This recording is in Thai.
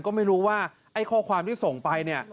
ก็ไม่รู้ว่าข้อความที่ส่งไป